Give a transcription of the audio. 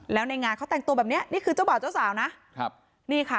แล้วในงานเขาแต่งตัวแบบเนี้ยนี่คือเจ้าบ่าวเจ้าสาวนะครับนี่ค่ะ